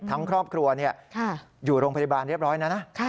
ทั้งครอบครัวอยู่โรงพยาบาลเรียบร้อยนะ